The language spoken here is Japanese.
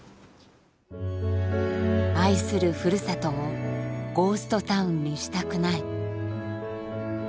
愛するふるさとをゴーストタウンにしたくない。